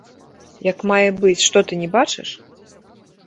Як мае быць, што ты не бачыш?